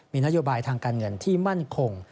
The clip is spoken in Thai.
มีนโยบายทางการเงินที่มั่นคง